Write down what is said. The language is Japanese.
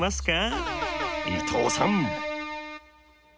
伊藤さん！